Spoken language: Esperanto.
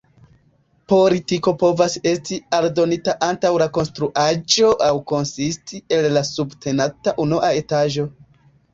Portiko povas esti aldonita antaŭ la konstruaĵo aŭ konsisti el la subtenata unua etaĝo.